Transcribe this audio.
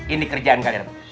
ini kerjaan kalian